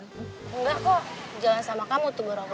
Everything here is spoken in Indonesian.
nggak kok jalan sama kamu tuh berapa